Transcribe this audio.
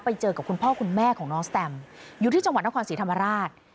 ไปเจอกับคุณพ่อคุณแม่ของน้องสแตมอยู่ที่จังหวัดนครศรีธรรมราช